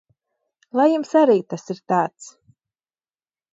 Lai jums arī tas ir tāds!